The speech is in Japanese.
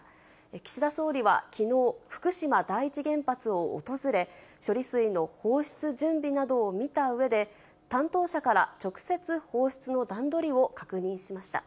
岸田総理はきのう、福島第一原発を訪れ、処理水の放出準備などを見たうえで、担当者から直接放出の段取りを確認しました。